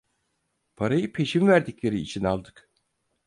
Parayı peşin verdikleri için aldık!